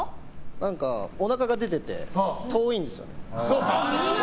何か、おなかが出てて遠いんですよね。